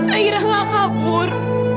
zahira mau kabur